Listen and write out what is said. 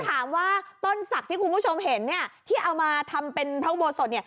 แต่ถามว่าต้นสักที่คุณผู้ชมเห็นเนี้ยที่เอามาทำเป็นพร้อมโบสถเนี้ย